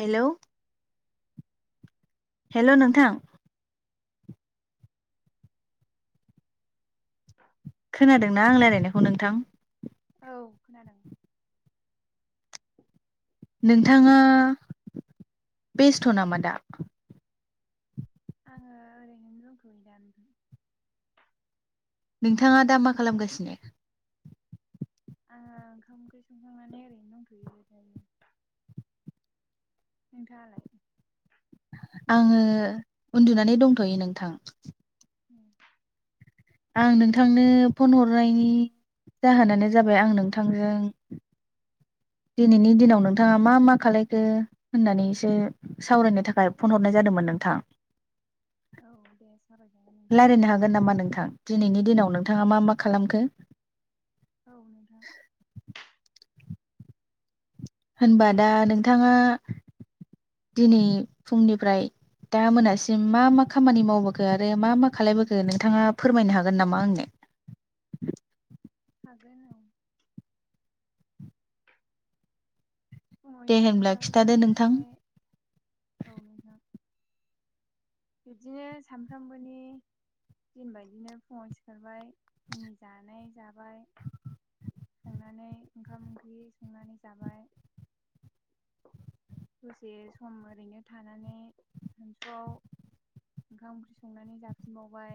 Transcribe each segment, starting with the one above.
Hello hello नोंथां [inaudible] खोनादोंना आं रायलाय खौ नोंथां। औ खोनादों नोंथाङा बेस्थ नामादा आंयो ओरैनो दंथयो दा नोंथाङा दा मा खालामगासिनो। आङो ओंखाम ओंख्रि संखांनानै ओरैनो दंथयो नोंथाङालाय। आङो उन्दुनानै दंथयो नोंथां। [inaudible] आं नोंथांनो फन हरनायनि जाहोनानो जाबाय आं नोंथांजों दिनैनि दिनाव नोंथाङा मा मा खालायखो होननानै एसे सावरायनो थाखाय फन हरनाय जादोंमोन नोंथां औ दे सावरायजागोन नोंथां रायलायनो हागोन नामा नोंथां दिनैनि दिनाव नों नोंथाङा मा मा खालामखो? औ नोथां होनबा दा नोंथाङा दिनै फुंनिफ्राय दा मोनासिम मा मा खामानि मावबोखो आरो मा मा खालबोखो नोंथाङा फोरमायनो हागोन नामा आंनो हागोन औ फुङाव दे होनब्ला सिखारबाय खिथादो नोंथां सिखारनानै औ नोंथां बिब्दिनो सानफ्रामबोनि दिन बदिनो फुङाव सिखारबाय फुंनि जानाय जाबाय संनानै ओंखाम ओंख्रि संनानै जाबाय दसे सम ओरैनो थानानै सानसुआव ओंखाम ओंख्रि संनानै जाफिनबावबाय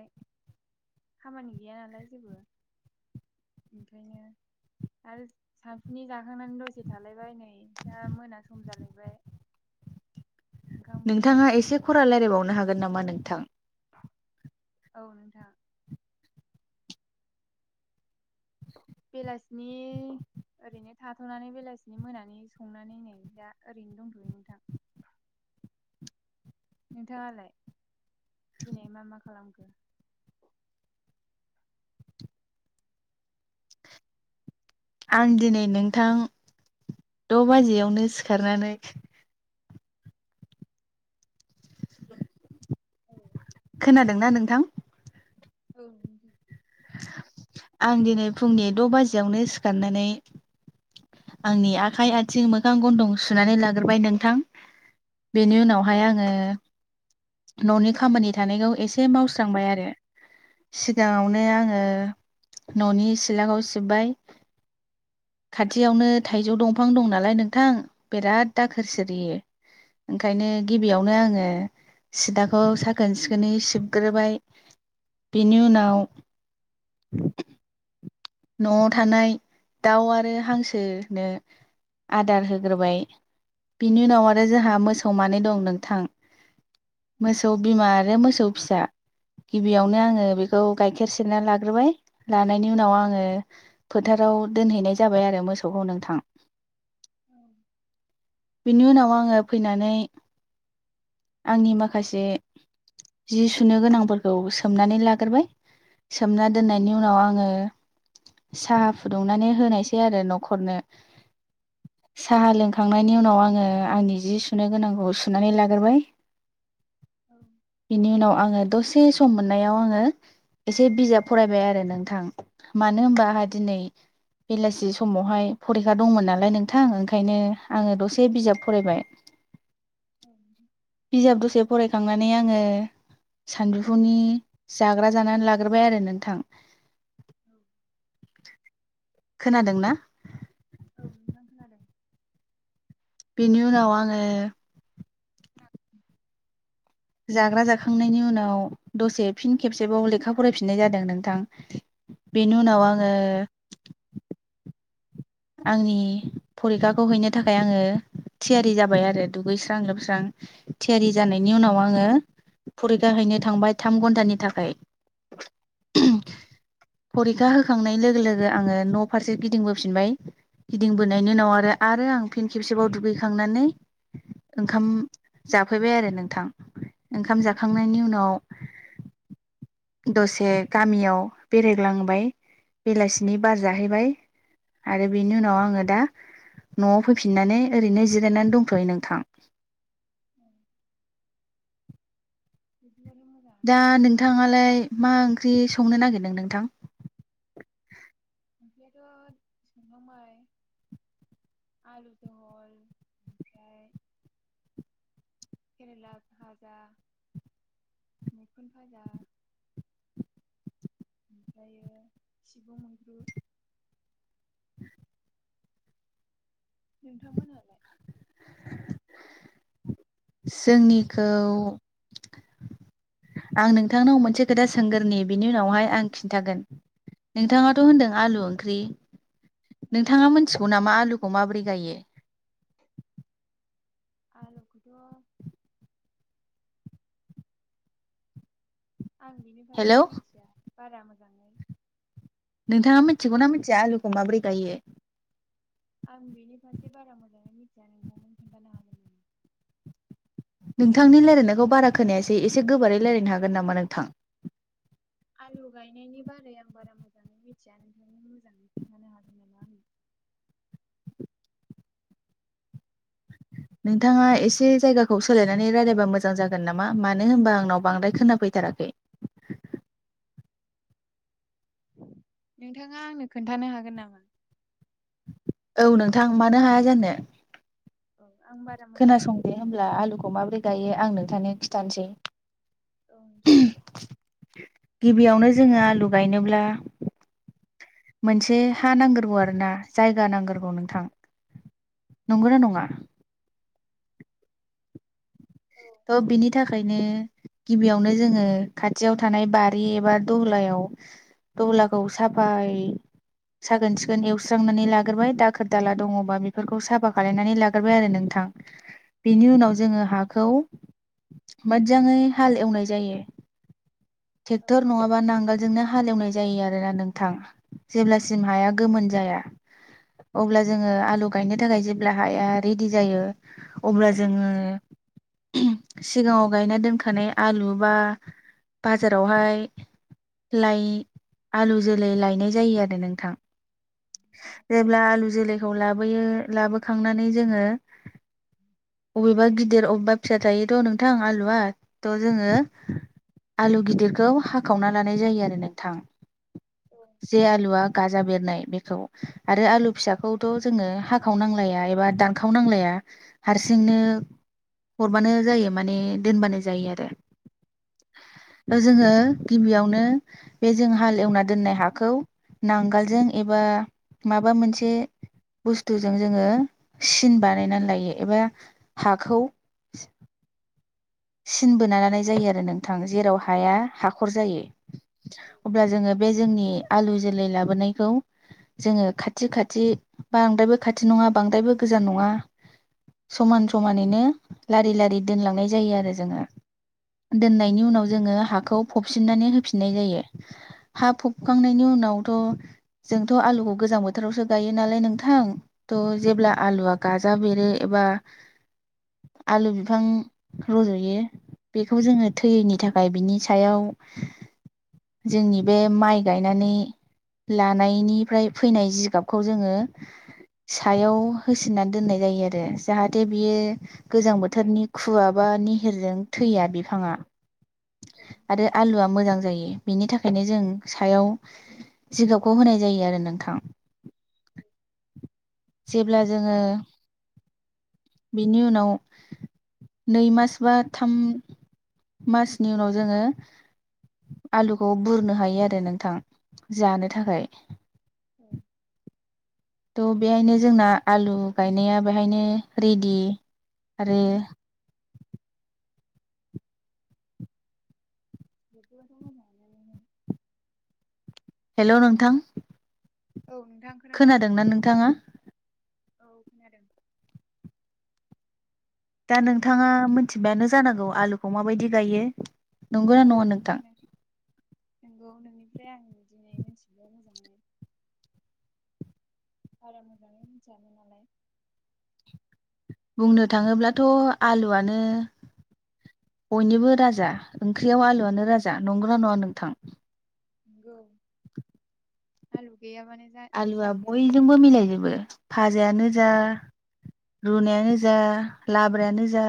खामानि गैया नालाय जेबो ओंखायनो आरो सानसुनि जाखांनानै दसे थालायबाय नै दा मोना सम जालायबाय ओंखाम ओंख्रि नोंथाङा एसे संफिनलायबाय खरा रायज्लायबावनो हागोन नामा नोंथां औ नोंथां बेलासिनि ओरैनो थाथ'नानै बेलासिनि मोनानि संनानै नै दा ओरैनो दंथ'योै नोंथां नोंथाङालाय दिनै मा मा खालामखो? आं दिनै नोंथां द' बाजियावनो सिखारनानै [inaudible] औ खोनादोंना नोंथां औ आं दिनै फुंनि द' बाजियावनो सिखारनानै आंनि आखाइ आथिं मोखां गन्थं सुनानै लाग्रोबाय नोंथां बेनि उनावहाय आङो न'नि खामानि थानायखौ एसे मावस्रांबाय आरो सिगाङावनो आङो न'नि सिलाखौ सिब्बाय औ खाथियावनो नोंथां थाइजौ दंफां दं नालाय नोंथां बेराद दाखोर सिरियो ओंखायनो गिबियावनो आङो सिलाखौ साखोन सिखोनै सिबग्रोबाय बेनि उनाव न'आव थानाय दाउ आरो हांसोनो आदार होग्रोबाय बिनि उनाव आरो जोंहा मोसौ मानै दं नों थां मोसौ बिमा आरो मोसौ फिसा गिबियावनो आङो बेखौ गाइखेर सेरना लाग्रोबाय लानायनि उनाव आङो फोथाराव दोनहैनाय जाबाय आरो मोसौखौ नोंथां औ बिनि उनाव आङो फैनानै आंनि माखासे जि सुनो गोनांफोरखौ सोमनानै लाग्रोबाय सोमना दोननायनि उनाव आङो साहा फुदुंनानै होनायसै आरो न'खरनो साहा लोंखांनायनि उनाव आङो- आंनि जि सुनो गोनांखौ सुनानै लग्रोबाय- बिनि उनाव आङो दसे सम मोननायाव आङो एसे बिजाब फरायबाय आरो नोंथां। मानो होनबा आंहा दिनै बेलासि समावहाय फरिखा दंमोन नालाय नोंथां ओंखायनो आङो दसे बिजाब फरायबाय बिजाब दसे फराय खांनानै आङो सानजुफुनि जाग्रा जानानै लाग्रोबाय आरो नोंथां। [inaudible] खोनादोंना? औ नोंथां‌ खोनादों। बिनि उनाव आङो [inaudible] जाग्रा जाखांनायनि उनाव दसे फिन खेबसेबाव लेखा फरायफिननाय जादों नोंथां बेनि उनाव आङो आंनि फरिखाखौ हैनो थाखाय आङो थियारि जाबाय आरो दुगैस्रां लोबस्रां। थियारि जानायनि उनाव आङो फरिखा हैैनो थांबाय थाम घन्टानि थाखाय। खोनादों फरिखा हो खांनाय लोगो लोगो आङो न' फारसे गिदिंबोफिनबाय गिदिंबोनायनि उनाव आरो आरो आं फिन खेबसेबाव दुगैखांनानै ओंखाम जाफैबाय आरो नोंथां ओंखाम जाखांनायनि उनाव दसे गामियाव बेरायग्लांबाय बेलासि नि बार जाहैबाय। आरो बेनि उनाव आङो दा न'आव फैफिननानै ओरैनो जिरायनानै दंथ'यो नोंथां। बिदिबाथ' मोजाङानो दा नोंथां नोंथाङालाय मा ओंख्रि सं संनो नागिरदों नोंथां? ओंख्रियाथ' संखांबाय आलु जहल ओमफ्राय केरेला फाजा, मैखुन फाजा ओमफ्रायो सिबुं मैद्रु। नोंथांमोनहालाय? [inaudible] जोंनिखौ आं नोंथांनाव मोनसे खोथा सोंगोरनि बिनि उनावहाय आं खिन्थागोन नोंथाङाथ' होन्दों आलु ओंख्रि औ नोंथाङा मिथिगौ नामा आलुखौ माबोरै जायो आलुखौथ' आं बिनि फारसे हेलौ मिनथिया बारा मोजांयै नोंथाङा मिथिगौना मिथिया आलुखौ माबोरै गायो? आं बिनि फारसे बारा मोजाङै मिथिया नोंथां नों खोन्थानो हागोन नामा? नोंथांनि रायलायनायखौ बारा खोनायासै एसे गोबारै रायलायनो हागोन नामा नोंथां? आलु गायनायनि बारै आं बारा मोजाङै मिथिया नोंथांङा मोजाङै खिन्थानो हागोन नामा आंनो? नोंथाङा एसे जायगाखौ सोलायनानै रायलायबा मोजां जागोन नामा मानो होनबा आंनाव बांद्राय खोनाफैथाराखै। नोंथाङा आंनो खोन्थानो हागोन नामा? औ नोंथां मानो हाया जानो औ आं बारा मोजाङै खोनासंदो मिथिया ना। होनब्ला आलुखौ माबोरै गायो आं नों थांनो खिथानोसै औ नोंथां‌ गिबियावनो जोङो आलु गायनोब्ला मोनसे हा नांग्रोगौ आरो ना जायगा नांग्रोगौ नोंथां नंगौना नङा? औ थ' बिनि थाखायनो गिबियावनो जोङो खाथियाव थानाय बारि एबा दहलायाव दहलाखौ साफायै साखोन-सिखोन एवस्रांनानै लाग्रोबाय दाखोर दाला दङबा बेफोरखौ साफा खालायनानै लाग्रोबाय आरो नोंथां। बेनि उनाव जोङो हाखौ मोजाङै हाल एवनाय जायो औ टेक्टर नङाबा नांगोलजोंनो हा हालेवनाय जायो आरोना नोंथां औ जेब्लासिम हाया गोमोन जाया अब्ला जोङो आलु गायनो थाखाय जेब्ला हाया रेडि जायो अब्ला जोङो सिगाङाव गायना दोनखानाय आलु बा बाजारावहाय लाय आलु जोलै लायनाय जायो आरो नोंथां। जेब्ला आलु जोलै खौ लाबोयो लाबोखांनानै जोङो अबेबा गिदिर अबेबा फिसा थायोथ' नोंथां आलुआ थ' जोङो आलु गिदिरखौ हाखावना लानाय जायो आरो नोंथां औ जे आलुआ गाजा बेरनाय बेखौ आरो आलु फिसाखौथ' जोङो हाखावनांलाया एबा दानखावनांलाया हारसिंनो हरबानो जायो माने दोनबानो जायो आरो जोङो गिबियावनो बे जों हाल एवना दोननाय हाखौ नांगोलजों एबा माबा मोनसे बुस्थुजों जोङो सिन बानायनानै लायो एबा हाखौ [inaudible] सिन बोना लानाय जायो आरो नोंथां जेराव हाया हाखर जायो अब्ला जोङो बे जोंनि आलु जोलै लाबोनायखौ जोङो खाथि खाथि बांद्रायबो खाथि नङा बांद्रायबो गोजान नङा समान समानैनो लारि लारि दोनलांनाय जायो आरो जोङो दोननायनि उनाव जोङो हाखौ फबफिननानै होफिननाय जायो हा फबखांनायनि उनावथ' जोंथ' आलुखौ गोजां बोथोरावसो गायो नालाय नोंथां थ' जेब्ला आलुआ गाजा बेरो एबा आलु बिफां रज' यो बेखौ जोङो थैयैनि थाखाय बिनि सायाव जोंनि बे माइ गायनानै लानायनिफ्राय फैनाय जिगाबखौ जोङो सायाव होसिननानै दोननाय जायो आरो जाहाथे बियो गोजां बोथोरनि खुवा बा नि हिरजों थैया बिफाङा औ आरो आलुआ मोजां जायो। बिनि थाखायनो जों सायाव जिगाबखौ होनाय जायो आरो नोंथां। उम जेब्ला जोङो बिनि उनाव नै मास बा थाम मासनि उनाव जोङो आलुखौ बुरनो हायो आरो नोंथां जानो थाखाय औ थ' बेहायनो जोंना आलु गायनाया बेहायनो रेडि आरो [unintelligible] हेल' नोंथां औ नोंथां खोनागासिनो खोनादोंना नोंथाङा? औ खोनादों दा नोंथाङा मिथिबायानो जानांगौ आलुखौ माबायदि गायो नंगौना औ नङा नोंथां नंगौ नोंनिय ओमफ्राय आं दिनै मिथिबाय मोजाङै बारा मोजाङै मिथियामोन नालाय। बुंनो थाङोब्लाथ' आलुआनो बयनिबो राजा, ओंख्रियाव आलुआनो राजा, नंगौना नङा नोंथां? औ। [inaudible] आलु जा आलुआ जाखाया बयजोंबो जेरावबो मिलायजोबो। फाज जायानो जा रुनायानो जा लाब्रायानो जा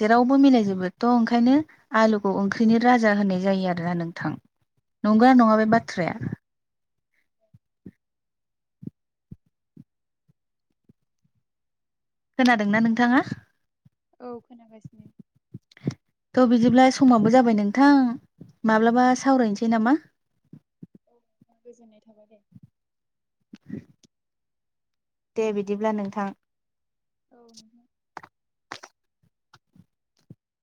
जेरावबो मिलायजोबो थ' ओंखायनो आलुखौ ओंख्रिनो राजा होनाय जायो आरोना नोंथां। नंगौ औ नङा बे बाथ्राया? खोनादोंना नोंथाङा? औ खोनागासिनो। थ' बिदिब्ला समाबो जाबाय नोंथां माब्लाबा सावरायनोसै नामा? औ नोंथां गोजोननाय थाबाय दे। दे बिदिब्ला नोंथां। औ।